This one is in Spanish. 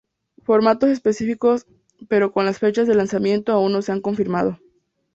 Formatos específicos pero con las fechas de lanzamiento aún no se han confirmado.